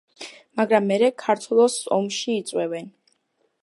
მაგრამ მერე ქართლოსს ომში იწვევენ.